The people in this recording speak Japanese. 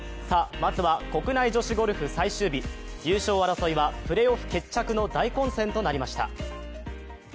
まずは国内女子ゴルフ最終日、優勝争いはプレーオフ決着の大混戦となりました。